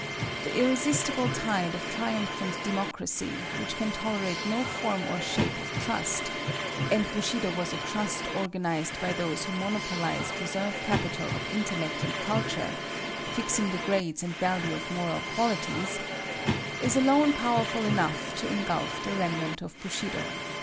The irresistible tide of triumphant democracy, which can tolerate no form or shape of trust—and Bushido was a trust organized by those who monopolized reserve capital of intellect and culture, fixing the grades and value of moral qualities—is alone powerful enough to engulf the remnant of Bushido.